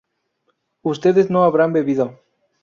ustedes no habrán bebido